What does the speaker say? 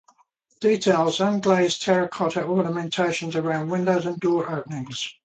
Details include unglazed terra cotta ornamentation around window and door openings.